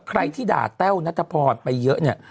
ใครที่ด่าแต้วนัทพรไปเยอะเนี่ย